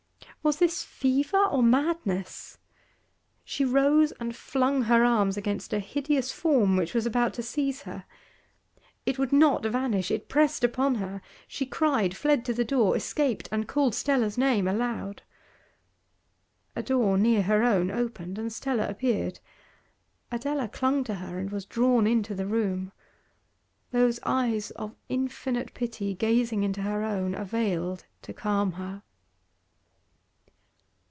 Was this fever or madness? She rose and flung her arms against a hideous form which was about to seize her. It would not vanish, it pressed upon her. She cried, fled to the door, escaped, and called Stella's name aloud. A door near her own opened, and Stella appeared. Adela clung to her, and was drawn into the room. Those eyes of infinite pity gazing into her own availed to calm her.